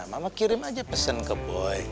mama kirim aja pesan ke boy